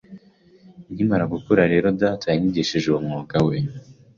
Nkimara gukura rero data yanyigishije uwo mwuga we